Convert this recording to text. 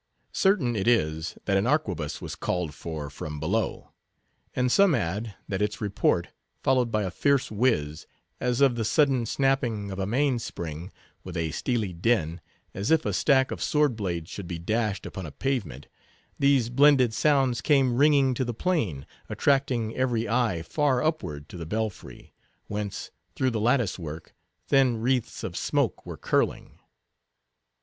Certain it is, that an arquebuss was called for from below. And some add, that its report, followed by a fierce whiz, as of the sudden snapping of a main spring, with a steely din, as if a stack of sword blades should be dashed upon a pavement, these blended sounds came ringing to the plain, attracting every eye far upward to the belfry, whence, through the lattice work, thin wreaths of smoke were curling.